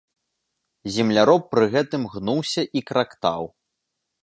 Земляроб пры гэтым гнуўся і крактаў.